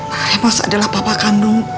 pak lemos adalah papa kandung